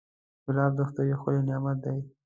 ګلاب د خدای یو ښکلی نعمت دی.